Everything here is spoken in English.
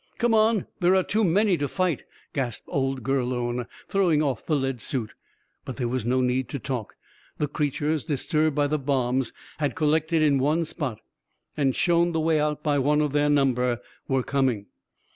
"Come on, there are too many to fight," gasped old Gurlone, throwing off the lead suit. But there was no need to talk. The creatures, disturbed by the bombs, had collected in one spot and, shown the way out by one of their number, were coming.